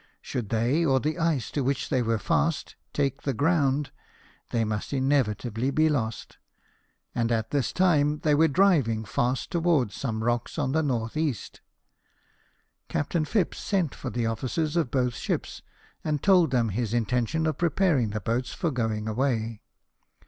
Should they, or the ice to which they were fast, take the ground, they must inevitably be lost ; and at this time they were driving fast towards some rocks on the N.E. Captain Phipps sent for the officers of both ships, and told them his intention of preparing the boats for going away.